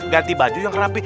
ganti baju yang rapi